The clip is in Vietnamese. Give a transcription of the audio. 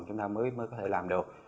chúng ta mới có thể làm được